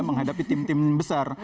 menghadapi tim tim besar